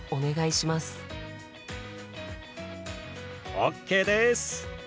ＯＫです！